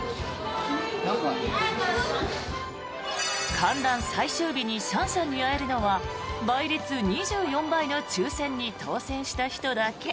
観覧最終日にシャンシャンに会えるのは倍率２４倍の抽選に当選した人だけ。